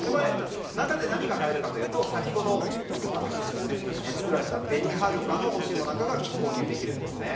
中で何が買えるかというと先ほど作られた紅はるかの干し芋が購入できるんですね。